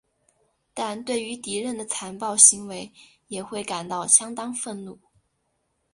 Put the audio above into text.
但对于敌人的残暴行为也会感到相当愤怒。